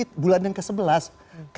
ini sudah diperhatikan yang ke sebelas